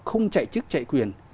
không chạy chức chạy quyền